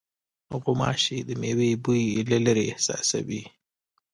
غوماشې د مېوې بوی له لېرې احساسوي.